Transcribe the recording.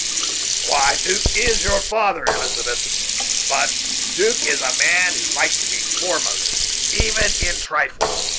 "Why, Duke is your father, Elizabeth; but 'Duke is a man who likes to be foremost, even in trifles.